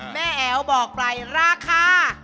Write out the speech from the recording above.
แอ๋วบอกไปราคา